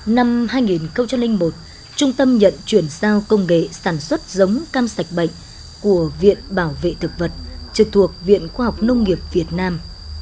năm hai nghìn một trung tâm nhận chuyển giao công nghệ sản xuất giống cam sạch bệnh của viện bảo vệ thực vật trực thuộc viện khoa học nông nghiệp việt nam